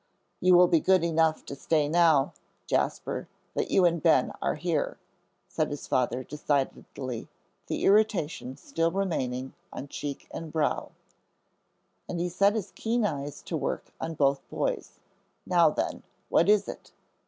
"You will be good enough to stay now, Jasper, that you and Ben are here," said his father, decidedly, the irritation still remaining on cheek and brow; and he set his keen eyes to work on both boys. "Now then, what is it?